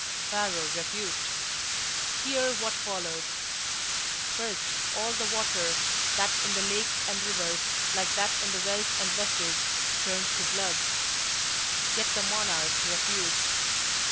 Pharaoh refused. Hear what followed. First, all the water, that in the lakes and rivers, like that in the wells and vessels, turned to blood. Yet the monarch refused.